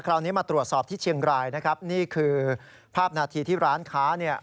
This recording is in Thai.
คราวนี้มาตรวจสอบที่เชียงรายนะครับนี่คือภาพนาทีที่ร้านค้าเนี่ย